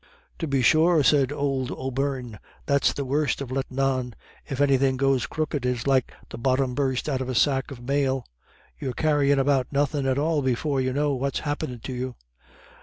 "Tub be sure," said old O'Beirne, "that's the worst of lettin' on. If anythin' goes crooked, it's like the bottom bursted out of a sack of mail; you're carryin' about nothin' at all before you know what's happint you."